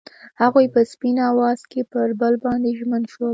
هغوی په سپین اواز کې پر بل باندې ژمن شول.